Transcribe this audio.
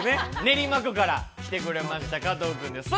練馬区から来てくれました加藤くんです。